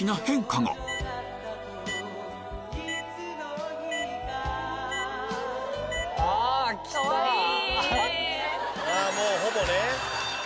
かもうほぼね。